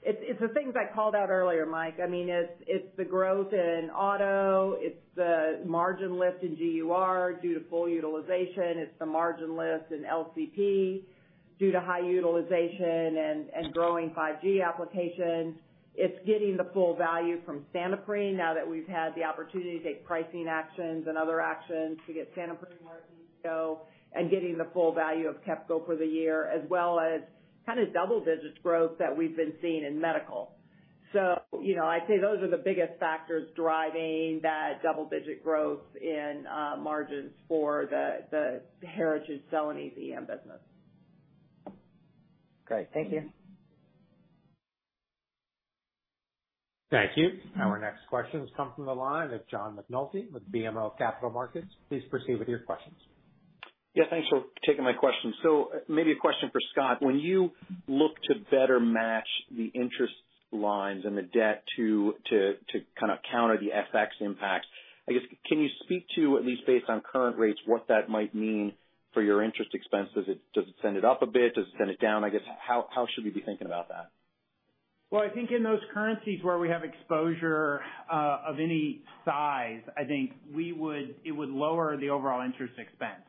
It's the things I called out earlier, Mike. I mean, it's the growth in auto. It's the margin lift in GUR due to full utilization. It's the margin lift in LCP due to high utilization and growing 5G applications. It's getting the full value from Santoprene now that we've had the opportunity to take pricing actions and other actions to get Santoprene where it needs to go, and getting the full value of M&M for the year, as well as kind of double-digit growth that we've been seeing in medical. You know, I'd say those are the biggest factors driving that double-digit growth in margins for the Heritage Celanese EM business. Great. Thank you. Thank you. Our next question comes from the line of John McNulty with BMO Capital Markets. Please proceed with your questions. Yeah, thanks for taking my question. Maybe a question for Scott. When you look to better match the interest lines and the debt to kind of counter the FX impacts, I guess can you speak to, at least based on current rates, what that might mean for your interest expenses? Does it send it up a bit? Does it send it down? I guess how should we be thinking about that? Well, I think in those currencies where we have exposure of any size, I think it would lower the overall interest expense.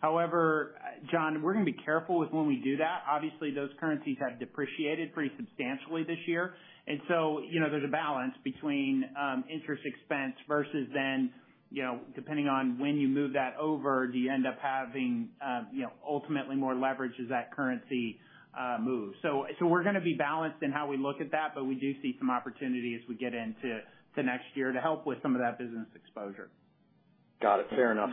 However, John, we're gonna be careful with when we do that. Obviously, those currencies have depreciated pretty substantially this year. You know, there's a balance between interest expense versus then you know, depending on when you move that over, do you end up having you know, ultimately more leverage as that currency moves. So we're gonna be balanced in how we look at that, but we do see some opportunity as we get into next year to help with some of that business exposure. Got it. Fair enough.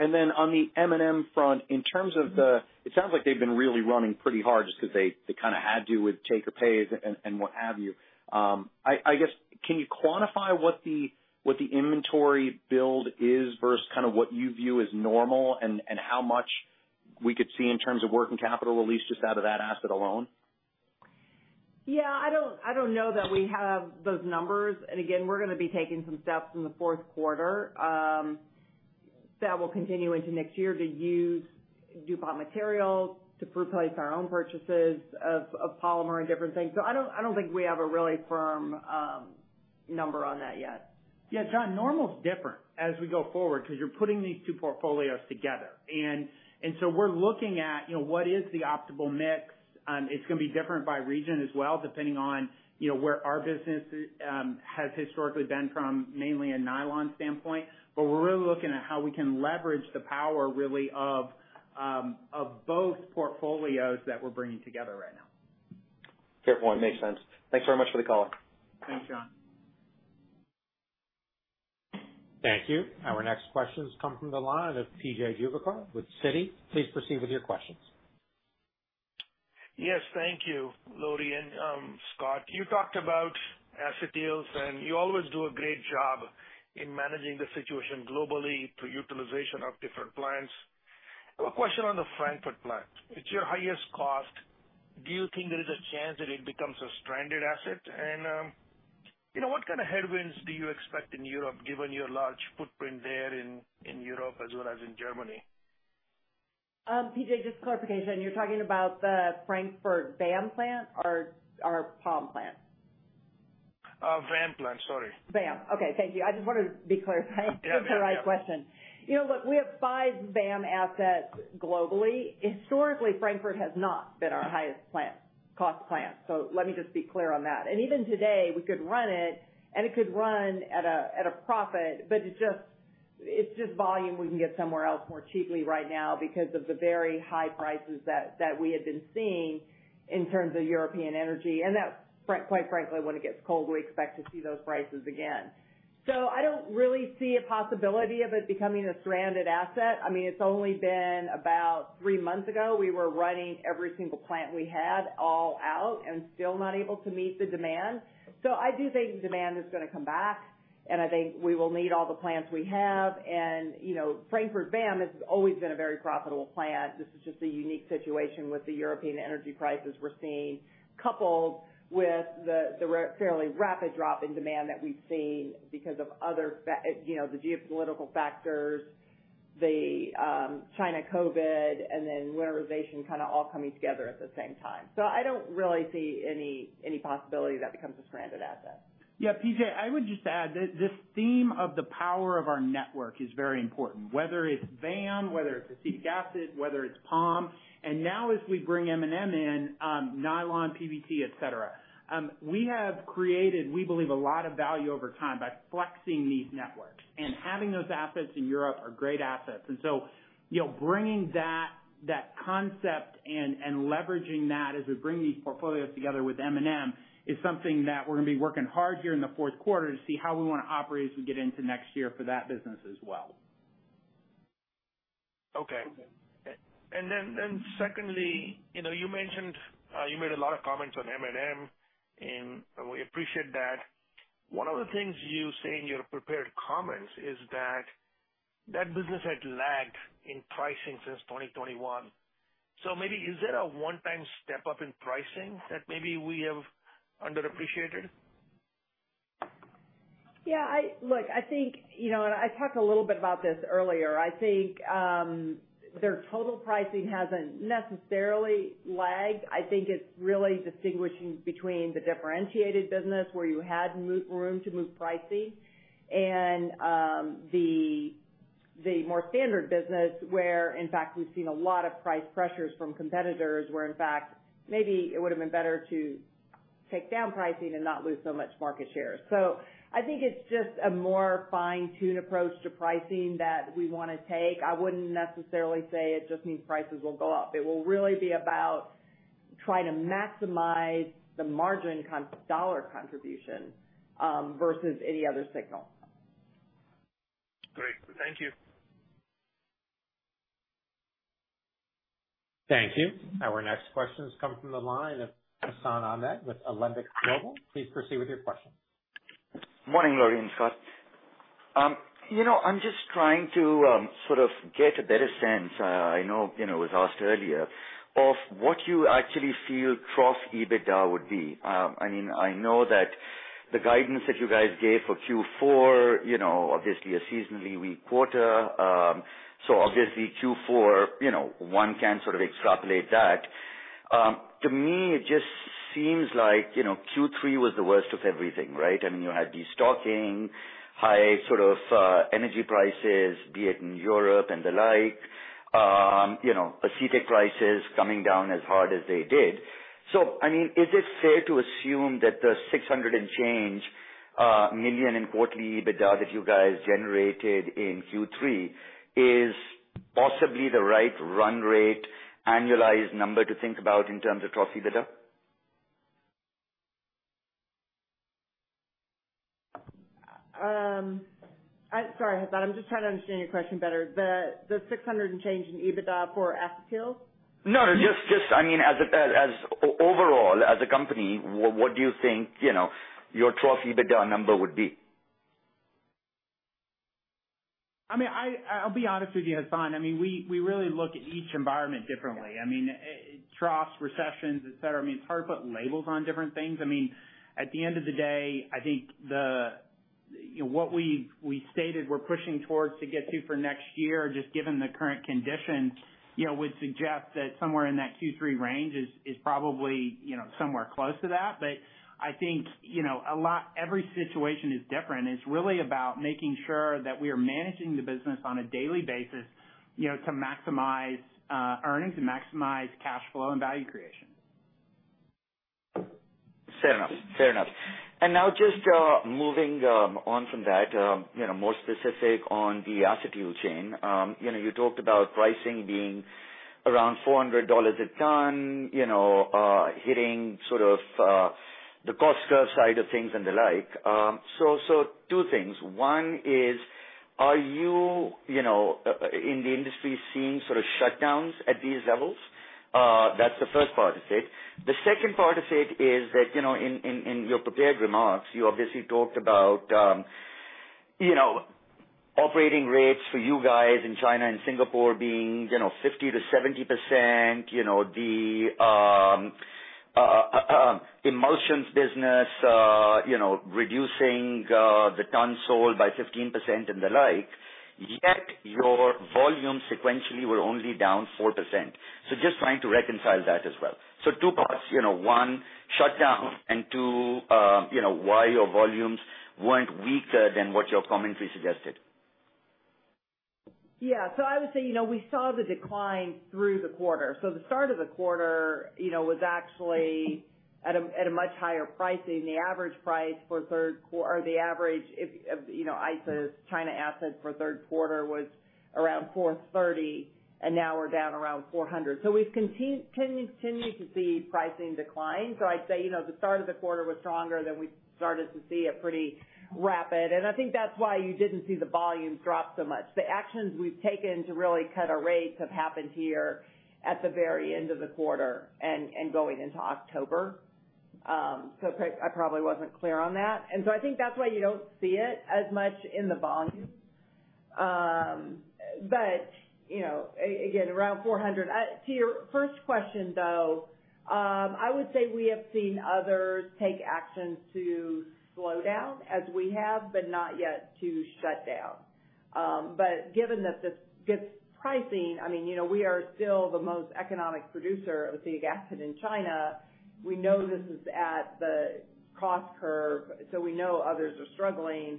On the M&M front, in terms of the, it sounds like they've been really running pretty hard just 'cause they kinda had to with take or pays and what have you. I guess, can you quantify what the inventory build is versus kind of what you view as normal and how much we could see in terms of working capital, at least just out of that asset alone? Yeah, I don't know that we have those numbers. Again, we're gonna be taking some steps in the fourth quarter that will continue into next year to use DuPont materials to price our own purchases of polymer and different things. So I don't think we have a really firm number on that yet. Yeah, John, normal's different as we go forward 'cause you're putting these two portfolios together. We're looking at, you know, what is the optimal mix. It's gonna be different by region as well, depending on, you know, where our business has historically been from, mainly a nylon standpoint. We're really looking at how we can leverage the power really of both portfolios that we're bringing together right now. Fair point. Makes sense. Thanks very much for the color. Thanks, John. Thank you. Our next question comes from the line of P.J. Juvekar with Citi. Please proceed with your questions. Yes, thank you, Lori and Scott. You talked about acetyls, and you always do a great job in managing the situation globally through utilization of different plants. I have a question on the Frankfurt plant. It's your highest cost. Do you think there is a chance that it becomes a stranded asset? What kind of headwinds do you expect in Europe, given your large footprint there in Europe as well as in Germany? P.J., just clarification, you're talking about the Frankfurt VAM plant or POM plant? VAM plant, sorry. VAM. Okay, thank you. I just wanted to be clear. Yeah. It's the right question. You know, look, we have five VAM assets globally. Historically, Frankfurt has not been our highest-cost plant, so let me just be clear on that. Even today, we could run it, and it could run at a profit, but it's just volume we can get somewhere else more cheaply right now because of the very high prices that we had been seeing in terms of European energy. Quite frankly, when it gets cold, we expect to see those prices again. I don't really see a possibility of it becoming a stranded asset. I mean, it's only been about three months ago, we were running every single plant we had all out and still not able to meet the demand. I do think demand is gonna come back, and I think we will need all the plants we have. You know, Frankfurt VAM has always been a very profitable plant. This is just a unique situation with the European energy prices we're seeing, coupled with the fairly rapid drop in demand that we've seen because of other you know, the geopolitical factors, the China COVID-19, and then winterization kind of all coming together at the same time. I don't really see any possibility that becomes a stranded asset. Yeah, P.J., I would just add, this theme of the power of our network is very important, whether it's VAM, whether it's acetic acid, whether it's POM, and now as we bring M&M in, nylon, PBT, et cetera. We have created, we believe, a lot of value over time by flexing these networks and having those assets in Europe are great assets. You know, bringing that concept and leveraging that as we bring these portfolios together with M&M is something that we're gonna be working hard here in the fourth quarter to see how we wanna operate as we get into next year for that business as well. Secondly, you know, you mentioned, you made a lot of comments on M&M, and we appreciate that. One of the things you say in your prepared comments is that that business had lagged in pricing since 2021. Maybe is there a one-time step-up in pricing that maybe we have underappreciated? Yeah, look, I think, you know, I talked a little bit about this earlier. I think their total pricing hasn't necessarily lagged. I think it's really distinguishing between the differentiated business where you had more room to move pricing and the more standard business where, in fact, we've seen a lot of price pressures from competitors, where, in fact, maybe it would have been better to take down pricing and not lose so much market share. I think it's just a more fine-tuned approach to pricing that we wanna take. I wouldn't necessarily say it just means prices will go up. It will really be about trying to maximize the margin dollar contribution versus any other signal. Great. Thank you. Thank you. Our next question has come from the line of Hassan Ahmed with Alembic Global Advisors. Please proceed with your question. Morning, Lori and Scott. You know, I'm just trying to sort of get a better sense. I know, you know, it was asked earlier, of what you actually feel trough EBITDA would be. I mean, I know that the guidance that you guys gave for Q4, you know, obviously a seasonally weak quarter. So obviously Q4, you know, one can sort of extrapolate that. To me, it just seems like, you know, Q3 was the worst of everything, right? I mean, you had destocking, high sort of energy prices, either in Europe and the like. You know, acetic prices coming down as hard as they did. I mean, is it fair to assume that the $600 and change million in quarterly EBITDA that you guys generated in Q3 is possibly the right run rate annualized number to think about in terms of trough EBITDA? I'm sorry, Hassan, I'm just trying to understand your question better. The 600 and change in EBITDA for acetyl? No, just I mean, as overall, as a company, what do you think, you know, your trough EBITDA number would be? I mean, I'll be honest with you, Hassan. I mean, we really look at each environment differently. I mean, troughs, recessions, et cetera, I mean, it's hard to put labels on different things. I mean, at the end of the day, I think the you know, what we stated we're pushing towards to get to for next year, just given the current conditions, you know, would suggest that somewhere in that Q3 range is probably, you know, somewhere close to that. I think, you know, a lot every situation is different, and it's really about making sure that we are managing the business on a daily basis, you know, to maximize earnings and maximize cash flow and value creation. Fair enough. Now just moving on from that, you know, more specific on the acetyl chain. You know, you talked about pricing being around $400 a ton, you know, hitting sort of the cost curve side of things and the like. Two things. One is, are you know, in the industry seeing sort of shutdowns at these levels? That's the first part of it. The second part of it is that, you know, in your prepared remarks, you obviously talked about, you know, operating rates for you guys in China and Singapore being, you know, 50% to 70%, you know, the emulsions business, you know, reducing the tons sold by 15% and the like, yet your volume sequentially were only down 4%. Just trying to reconcile that as well. Two parts, you know. One, shutdown, and two, you know, why your volumes weren't weaker than what your commentary suggested. Yeah. I would say, you know, we saw the decline through the quarter. The start of the quarter, you know, was actually at a much higher pricing. The average price for third quarter or the average of you know ICIS China assets for third quarter was around 430, and now we're down around 400. We've continued to see pricing decline. I'd say, you know, the start of the quarter was stronger than we started to see a pretty rapid. I think that's why you didn't see the volumes drop so much. The actions we've taken to really cut our rates have happened here at the very end of the quarter and going into October. I probably wasn't clear on that. I think that's why you don't see it as much in the volumes. You know, again, around 400. To your first question though, I would say we have seen others take actions to slow down as we have, but not yet to shut down. Given the pricing, I mean, you know, we are still the most economic producer of acetic acid in China. We know this is at the cost curve, so we know others are struggling.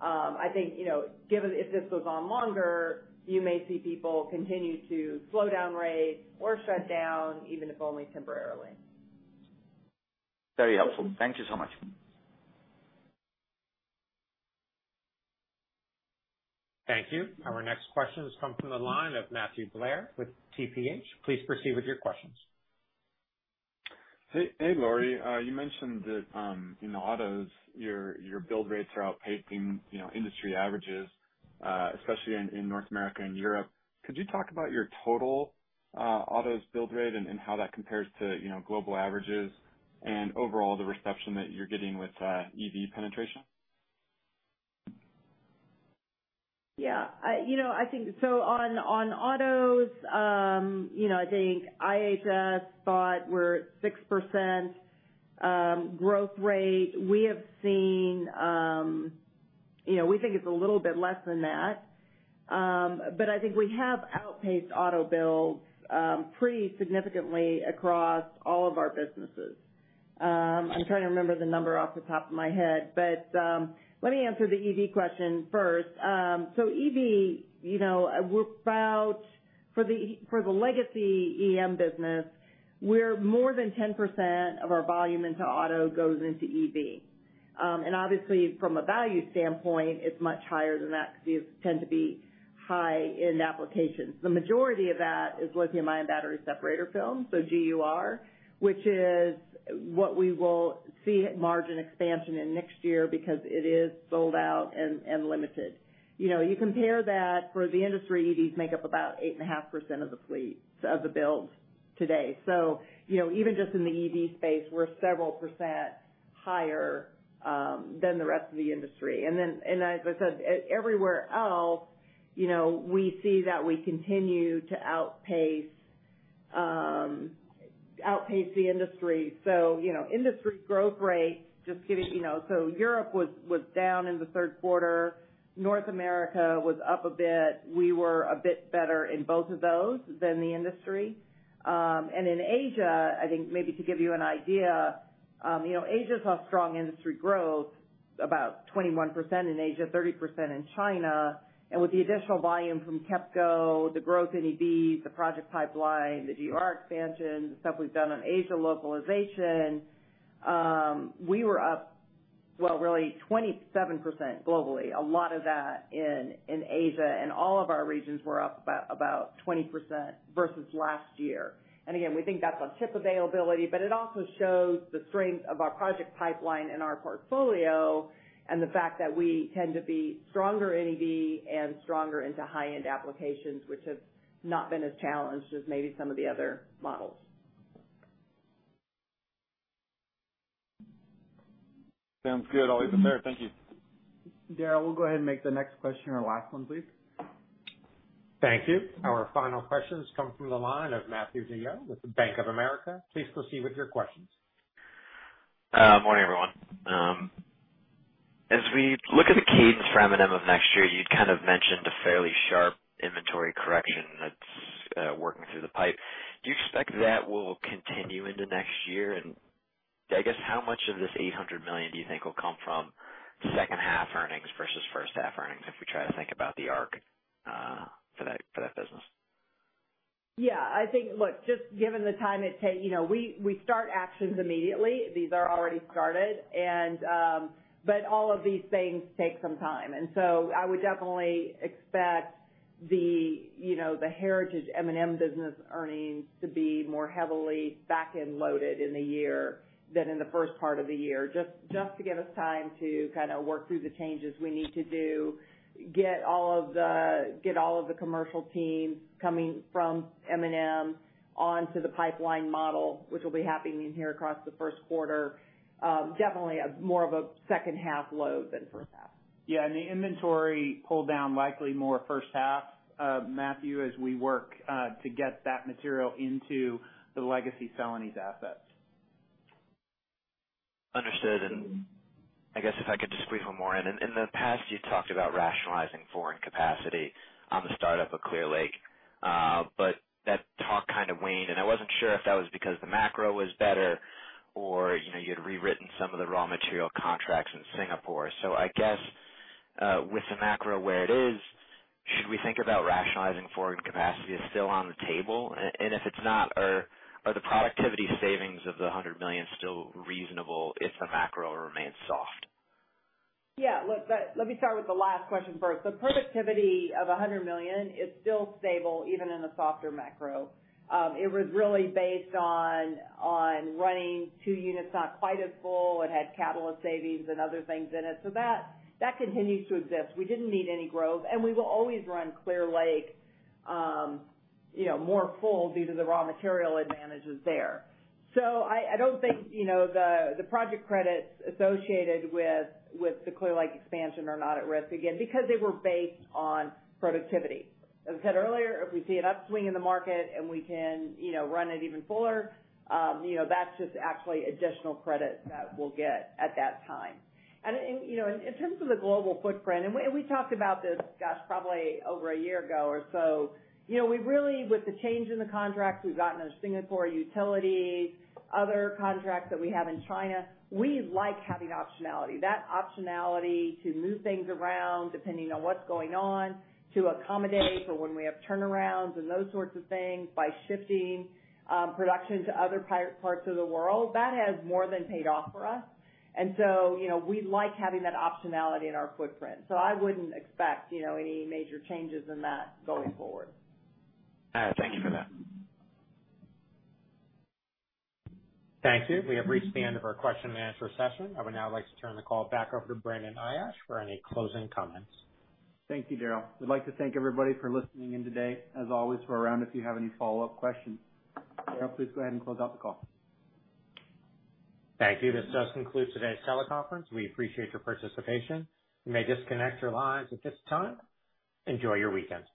I think, you know, given if this goes on longer, you may see people continue to slow down rates or shut down, even if only temporarily. Very helpful. Thank you so much. Thank you. Our next question has come from the line of Matthew Blair with TPH. Please proceed with your questions. Hey, hey, Lori. You mentioned that, you know, autos, your build rates are outpacing, you know, industry averages, especially in North America and Europe. Could you talk about your total autos build rate and how that compares to, you know, global averages and overall the reception that you're getting with EV penetration? Yeah. I you know I think so on autos you know I think IHS thought we're at 6% growth rate. We have seen you know we think it's a little bit less than that. But I think we have outpaced auto builds pretty significantly across all of our businesses. I'm trying to remember the number off the top of my head but let me answer the EV question first. So EV you know we're about for the legacy EM business we're more than 10% of our volume into auto goes into EV. And obviously from a value standpoint it's much higher than that because these tend to be high-end applications. The majority of that is lithium-ion battery separator film, so GUR, which is what we will see margin expansion in next year because it is sold out and limited. You know, you compare that for the industry, EVs make up about 8.5% of the builds today. You know, even just in the EV space, we're several percent higher than the rest of the industry. As I said, everywhere else, you know, we see that we continue to outpace the industry. You know, industry growth rates just giving, you know. Europe was down in the third quarter. North America was up a bit. We were a bit better in both of those than the industry. In Asia, I think maybe to give you an idea, you know, Asia saw strong industry growth about 21% in Asia, 30% in China. With the additional volume from KEP Co, the growth in EV, the project pipeline, the GUR expansion, the stuff we've done on Asia localization, we were up, well, really 27% globally. A lot of that in Asia, and all of our regions were up about 20% versus last year. Again, we think that's on chip availability, but it also shows the strength of our project pipeline and our portfolio and the fact that we tend to be stronger in EV and stronger into high-end applications, which have not been as challenged as maybe some of the other models. Sounds good. All even better. Thank you. Darryl, we'll go ahead and make the next question our last one, please. Thank you. Our final questions come from the line of Matthew DeYoe with Bank of America. Please proceed with your questions. Morning, everyone. As we look at the cadence for M&M of next year, you'd kind of mentioned a fairly sharp inventory correction that's working through the pipe. Do you expect that will continue into next year? I guess how much of this $800 million do you think will come from second half earnings versus first half earnings, if we try to think about the arc for that business? Yeah, I think. Look, just given the time it take, you know, we start actions immediately. These are already started, but all of these things take some time. I would definitely expect the, you know, the heritage M&M business earnings to be more heavily back-end loaded in the year than in the first part of the year, just to give us time to kinda work through the changes we need to do, get all of the commercial teams coming from M&M onto the pipeline model, which will be happening in here across the first quarter. Definitely more of a second half load than first half. The inventory pull down likely more first half, Matthew, as we work to get that material into the legacy Celanese assets. Understood. I guess if I could just squeeze one more in. In the past, you talked about rationalizing foreign capacity on the startup of Clear Lake, but that talk kind of waned, and I wasn't sure if that was because the macro was better or, you know, you'd rewritten some of the raw material contracts in Singapore. I guess with the macro where it is, should we think about rationalizing foreign capacity as still on the table? And if it's not, are the productivity savings of $100 million still reasonable if the macro remains soft? Yeah. Look, let me start with the last question first. The productivity of $100 million is still stable even in a softer macro. It was really based on running two units not quite as full. It had catalyst savings and other things in it. That continues to exist. We didn't need any growth, and we will always run Clear Lake more full due to the raw material advantages there. I don't think the project credits associated with the Clear Lake expansion are not at risk, again, because they were based on productivity. As I said earlier, if we see an upswing in the market and we can run it even fuller, you know, that's just actually additional credit that we'll get at that time. You know, in terms of the global footprint, and we talked about this, gosh, probably over a year ago or so, you know, we really with the change in the contracts, we've gotten those Singapore utilities, other contracts that we have in China, we like having optionality. That optionality to move things around depending on what's going on, to accommodate for when we have turnarounds and those sorts of things by shifting production to other parts of the world, that has more than paid off for us. You know, we like having that optionality in our footprint. I wouldn't expect any major changes in that going forward. All right. Thank you for that. Thank you. We have reached the end of our question-and-answer session. I would now like to turn the call back over to Brandon Ayache for any closing comments. Thank you, Darryl. We'd like to thank everybody for listening in today. As always, we're around if you have any follow-up questions. Darryl, please go ahead and close out the call. Thank you. This does conclude today's teleconference. We appreciate your participation. You may disconnect your lines at this time. Enjoy your weekend.